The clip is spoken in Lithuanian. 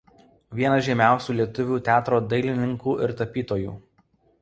Vienas žymiausių lietuvių teatro dailininkų ir tapytojų.